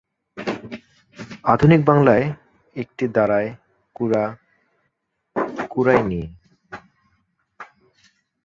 আধুনিক বাংলায় এটি দাঁড়ায় ‘কুড়ায় কুড়া কুড়ায় নিয়ে।